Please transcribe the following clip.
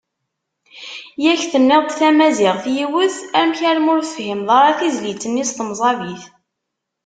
Yak tenniḍ-d tamaziɣt yiwet, amek armi ur tefhimeḍ tizlit-nni s temẓabit?